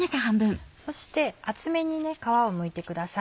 そして厚めに皮をむいてください。